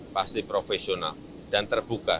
pasti profesional dan terbuka